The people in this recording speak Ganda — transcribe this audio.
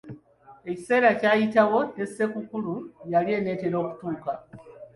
Ekiseera kyayitawo, ne ssekukkulu yali eneetera okutuuka.